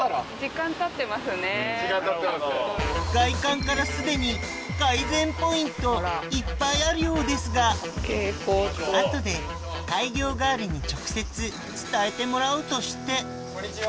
外観からすでに改善ポイントいっぱいあるようですが後で開業ガールに直接伝えてもらうとしてこんにちは。